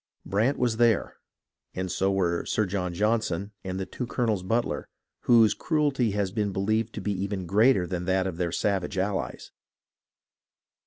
Brant was there, and so were Sir John Johnson and the two Colonels Butler, whose cruelty had been believed to be even greater than that of their savage allies.